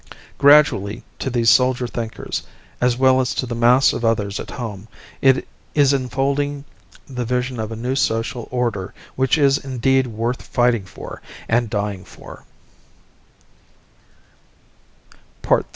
Gradually, to these soldier thinkers, as well as to the mass of others at home, is unfolding the vision of a new social order which is indeed worth fighting for and dying for.